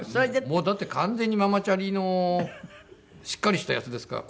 もうだって完全にママチャリのしっかりしたやつですから。